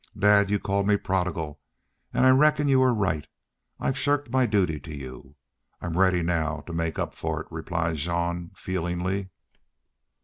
"Dad, you called me Prodigal, an' I reckon you were right. I've shirked my duty to you. I'm ready now to make up for it," replied Jean, feelingly.